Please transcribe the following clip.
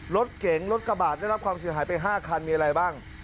รถเก๋งรถกระบาดได้รับความเสียหายไป๕คันมีอะไรบ้าง